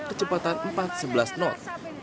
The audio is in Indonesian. kecepatan empat sebelas knot